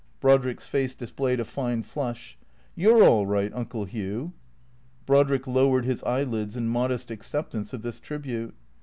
Brodrick's face displayed a fine flush. " You 're all right. Uncle Hugh." Brodrick lowered his eyelids in modest acceptance of this tribute.